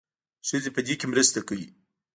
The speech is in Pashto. ښځې په دې کې مرسته کوي.